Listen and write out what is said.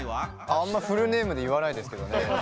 あんまフルネームで言わないですけどね。